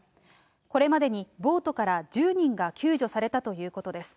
これまでにボートから１０人が救助されたということです。